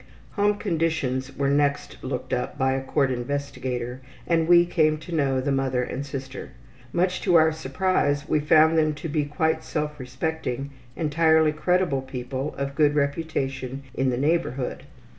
'' Home conditions were next looked up by a court investigator and we came to know the mother and sister. Much to our surprise we found them to be quite self respecting, entirely credible people of good reputation in the neighborhood.